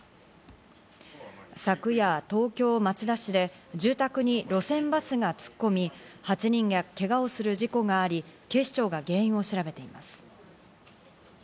昨夜、東京・町田市で住宅に路線バスが突っ込み、８人がけがをする事故があり、警視庁が原因を調べています。